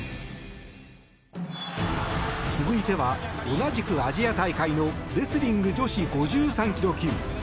続いては、同じくアジア大会のレスリング女子５３ｋｇ級。